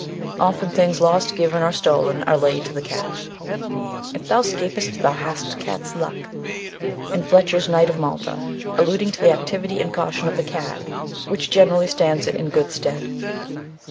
_ Often things lost, given, or stolen, are laid to the cat. If thou 'scap'st, thou hast cat's luck, in Fletcher's Knight of Malta, alluding to the activity and caution of the cat, which generally stands it in good stead.